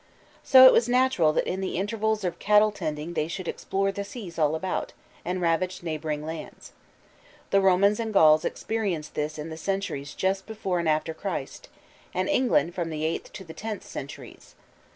So it was natural that in the intervals of cattle tending they should explore the seas all about, and ravage neighboring lands. The Romans and the Gauls experienced this in the centuries just before and after Christ, and England from the eighth to the tenth centuries.